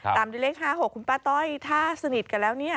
ตามด้วยเลข๕๖คุณป้าต้อยถ้าสนิทกันแล้วเนี่ย